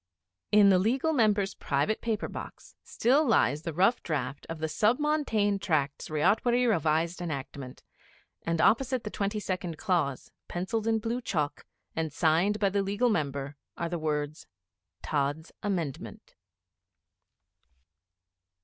In the Legal Member's private paper box still lies the rough draft of the Sub Montane Tracts Ryotwary Revised Enactment; and opposite the twenty second clause, pencilled in blue chalk, and signed by the Legal Member are the words 'Tods' Amendment.'